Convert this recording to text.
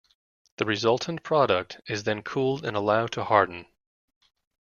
The resultant product is then cooled and allowed to harden.